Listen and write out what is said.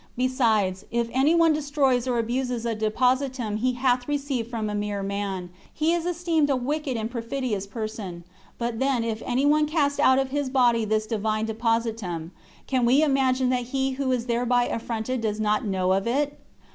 Besides, if any one destroys or abuses a depositum he hath received from a mere man, he is esteemed a wicked and perfidious person; but then if any one cast out of his body this Divine depositum, can we imagine that he who is thereby affronted does not know of it?